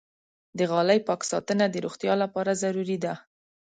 د غالۍ پاک ساتنه د روغتیا لپاره ضروري ده.